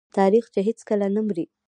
تاریخ چې هیڅکله نه مري.